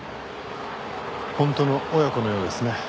本当の親子のようですね。